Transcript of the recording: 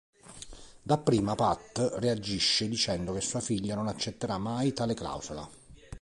Dapprima Pat reagisce dicendo che sua figlia non accetterà mai tale clausola.